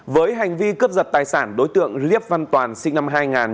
với hành vi cướp giật tài sản đối tượng liếp văn toàn sinh năm hai nghìn